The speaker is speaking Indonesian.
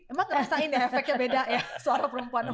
emang ngerasain ya efeknya beda ya suara perempuan